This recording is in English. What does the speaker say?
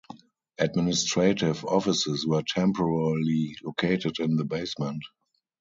Administrative offices were temporarily located in the basement.